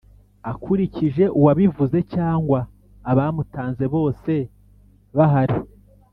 akurikije uwabivuze cyangwa abamutanze bose bahari